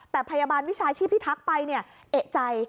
แต่พยาบาลวิชาชีพที่ทักไปเนี่ยเอกใจ